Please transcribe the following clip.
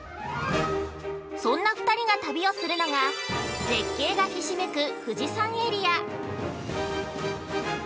そんな２人が旅をするのが絶景がひしめく富士山エリア。